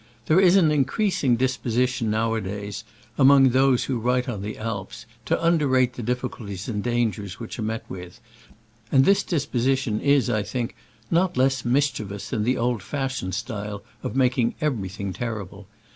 There is an increasing disposition now a days, amongst those who write on the Alps, to underrate the difficulties and dangers which are met with, and this disposition is, I think, not less mischiev ous than the old fashioned style of mak ing everything terrible.